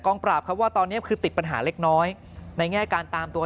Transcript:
ปราบเขาว่าตอนนี้คือติดปัญหาเล็กน้อยในแง่การตามตัว